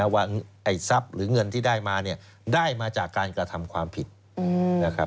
ว่าไอ้ทรัพย์หรือเงินที่ได้มาเนี่ยได้มาจากการกระทำความผิดนะครับ